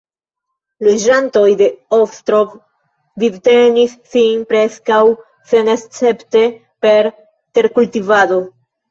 Loĝantoj de Ostrov vivtenis sin preskaŭ senescepte per terkultivado.